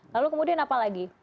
lalu kemudian apa lagi